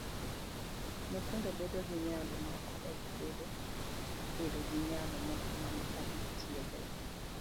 Nyithindo bedo gi nyalo moko, to gimedo bedo gi nyalo moko mana ka gitiegore.